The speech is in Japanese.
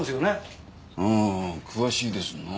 うーん詳しいですなあ。